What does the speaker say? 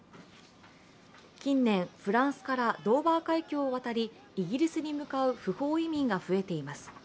近年、フランスからドーバー海峡を渡りイギリスに向かう不法移民が増えています。